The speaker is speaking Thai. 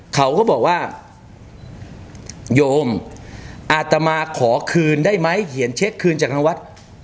เขาก็บอกว่าโยมอาตมาขอคืนได้ไหมเขียนเช็คคืนจากทางวัด